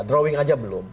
drawing aja belum